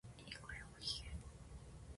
いいか、よく聞け。